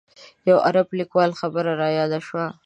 یو عرب لیکوال خبره رایاده شوه.